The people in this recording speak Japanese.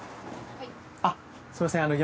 はい。